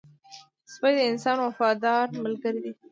سپی د انسان وفادار ملګری دی